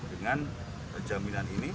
dengan jaminan ini